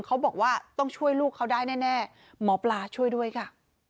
เขาบอกว่าต้องช่วยลูกเขาได้แน่หมอปลาช่วยด้วยค่ะ